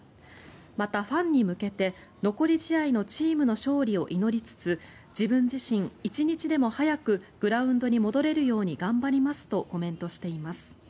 また、ファンに向けて残り試合のチームの勝利を祈りつつ自分自身、一日でも早くグラウンドに戻れるように頑張りますとコメントしています。